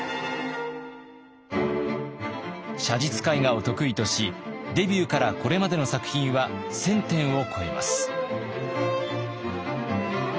写実絵画を得意としデビューからこれまでの作品は１，０００点を超えます。